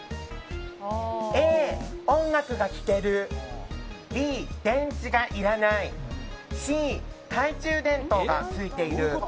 Ａ、音楽が聴けるＢ、電池がいらないＣ、懐中電灯がついている。